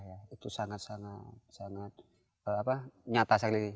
itu sangat sangat nyata sekali